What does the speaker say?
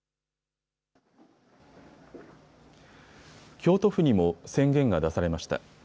京都府にも宣言が出されました。